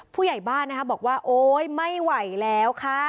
ผู้ใหญ่บ้านนะคะบอกว่าโอ๊ยไม่ไหวแล้วค่ะ